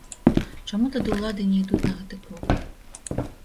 Чаму тады улады не ідуць на гэты крок?